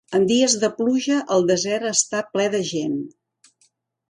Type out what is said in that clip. En dies de pluja, el desert està ple de gent.